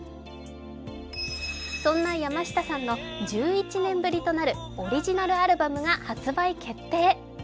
そんな山下さんの１１年ぶりとなるオリジナルアルバムが発売決定。